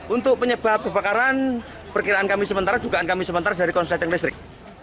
untuk penyebab kebakaran perkiraan kami sementara dugaan kami sementara dari konsleting listrik